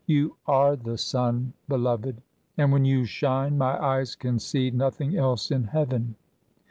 "You are the sun, beloved, and when you shine, my eyes can see nothing else in heaven."